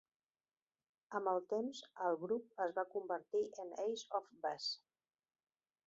Amb el temps, el grup es va convertir en Ace of Base.